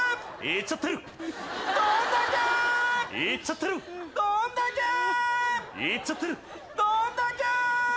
いっちゃってるー。